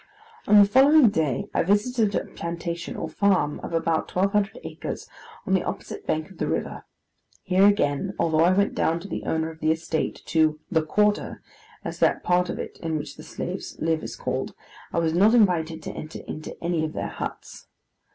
On the following day, I visited a plantation or farm, of about twelve hundred acres, on the opposite bank of the river. Here again, although I went down with the owner of the estate, to 'the quarter,' as that part of it in which the slaves live is called, I was not invited to enter into any of their huts.